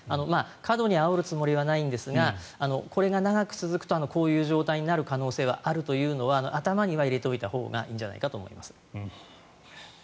過度にあおるつもりはないんですが、これが長く続くとこういう状態になる可能性があるというのは頭には入れておいたほうがいいんじゃないかと思います。